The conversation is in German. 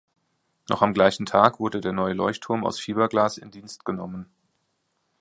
Noch am gleichen Tag wurde der neue Leuchtturm aus Fiberglas in Dienst genommen.